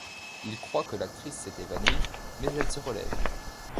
Ils croient que l'actrice s'est évanouie, mais elle se relève.